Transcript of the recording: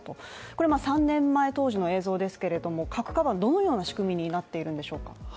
これは３年前当時の映像ですけれども核カバン、どのような仕組みになっているんでしょうか。